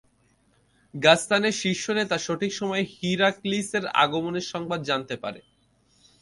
গাসসানের শীর্ষ নেতা সঠিক সময়ে হিরাক্লিয়াসের আগমনের সংবাদ জানতে পারে।